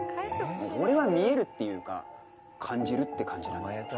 俺は見えるっていうか感じるって感じなんだよ。